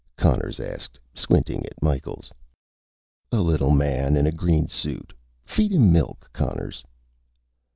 Conners asked, squinting at Micheals. "A little man in a green suit. Feed him milk, Conners."